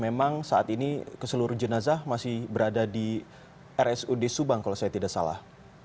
memang saat ini keseluruh jenazah masih berada di rsud subang kalau saya tidak salah